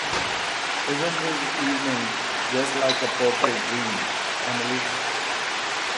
Isn’t this evening just like a purple dream, Emily?